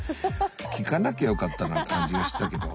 聞かなきゃよかったような感じがしたけど。